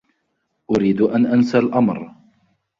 أريد أن أنسى الأمر.